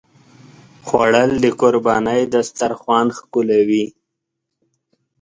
خوړل د قربانۍ دسترخوان ښکلوي